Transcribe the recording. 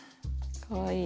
かわいい。